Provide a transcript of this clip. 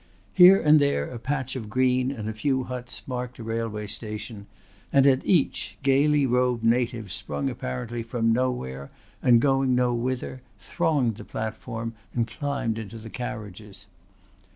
Here and there a patch of green and a few huts marked a railway station and at each gaily robed natives sprung apparently from nowhere and going no whither thronged the platform and climbed into the carriages.